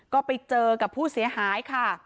ก็ไปเจอกับผู้เสียหายค่ะ